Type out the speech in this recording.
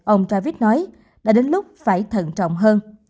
ông travich nói đã đến lúc phải thận trọng hơn